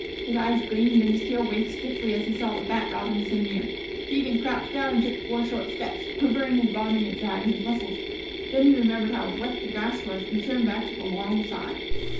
His eyes gleamed and his tail waved stiffly as he saw the fat Robins so near. He even crouched down and took four short steps, quivering his body and trying his muscles. Then he remembered how wet the grass was and turned back with a long sigh.